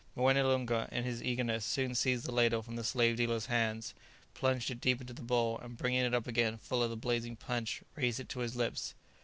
Moené Loonga, in his eagerness, soon seized the ladle from the slave dealer's hands, plunged it deep into the bowl, and bringing it up again full of the blazing punch, raised it to his lips.